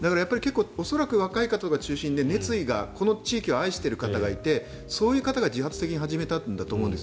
恐らく若い方とかが中心で熱意がこの地域を愛している方がいてそういう方が自発的に始めたんだと思います。